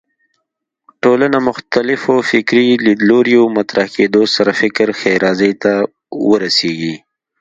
ټولنه مختلفو فکري لیدلوریو مطرح کېدو سره فکر ښېرازۍ ته ورسېږي